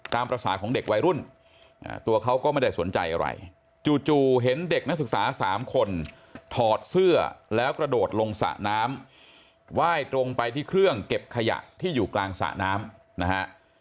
ตามภาษาของเด็กวัยรุ่นตัวเขาก็ไม่ได้สนใจอะไรจู่เห็นเด็กนักศึกษา๓คนถอดเสื้อแล้วกระโดดลงสระน้ำไหว้ตรงไปที่เครื่องเก็บขยะที่อยู่กลางสระน้ำนะฮะ